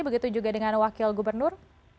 begitu juga dengan wakil gubernur